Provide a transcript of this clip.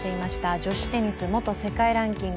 女子テニス元世界ランキング